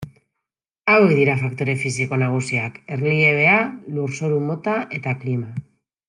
Hauek dira faktore fisiko nagusiak: Erliebea, lurzoru mota eta klima.